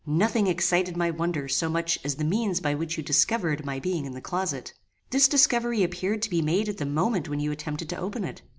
Nothing excited my wonder so much as the means by which you discovered my being in the closet. This discovery appeared to be made at the moment when you attempted to open it.